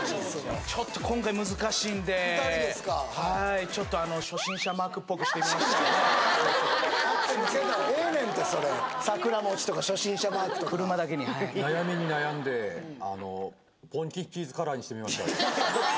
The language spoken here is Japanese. ちょっと今回難しいんで２人ですかはいちょっと初心者マークっぽくしてみましたええねんってそれ桜餅とか初心者マークとか車だけにはい悩みに悩んであのポンキッキーズカラーにしてみました